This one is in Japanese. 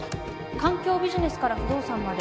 環境ビジネスから不動産まで